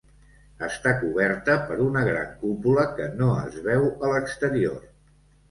Està coberta per una gran cúpula que no es veu a l'exterior.